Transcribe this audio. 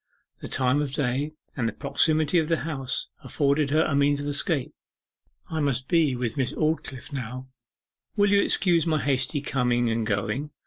The time of day, and the proximity of the house, afforded her a means of escape. 'I must be with Miss Aldclyffe now will you excuse my hasty coming and going?